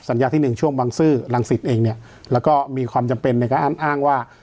สัญญาณที่หนึ่งช่วงวังซื่อลังศิษย์เองเนี้ยแล้วก็มีความจำเป็นในการอ้านอ้างว่า